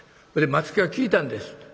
それで松木が聞いたんです。